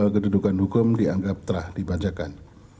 kedudukan hukum dianggap telah dibacakan